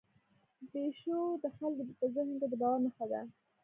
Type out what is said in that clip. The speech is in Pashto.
پيژو د خلکو په ذهن کې د باور نښه ده.